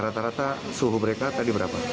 rata rata suhu mereka tadi berapa